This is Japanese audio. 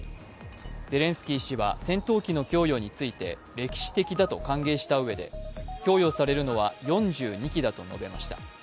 ゼレンスキー氏は戦闘機の供与について歴史的だと歓迎したうえで供与されるのは４２機だと述べました。